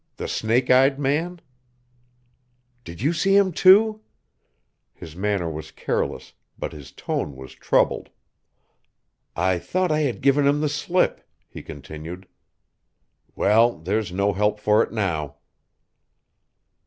"The snake eyed man?" "Did you see him, too?" His manner was careless, but his tone was troubled. "I thought I had given him the slip," he continued. "Well, there's no help for it now."